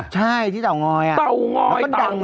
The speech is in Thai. ใช่ไหมต่างอยต่างอยต่างอยใช่ที่เต๋องอดอ่ะ